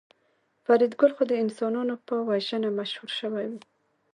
فریدګل خو د انسانانو په وژنه مشهور شوی و